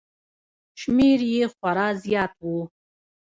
شمېر یې خورا زیات و